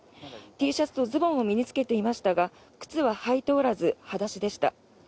Ｔシャツとズボンを身に着けていましたが靴は履いておらず裸足でした。